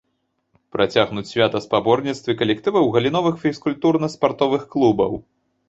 Працягнуць свята спаборніцтвы калектываў галіновых фізкультурна-спартовых клубаў.